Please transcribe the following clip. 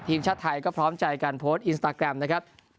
ทีมชาติไทยก็พร้อมใจการโพสต์อินสตาแกรมนะครับ